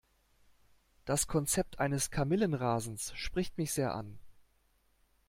Das Konzept eines Kamillenrasens spricht mich sehr an.